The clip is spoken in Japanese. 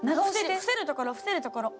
伏せるところ伏せるところ。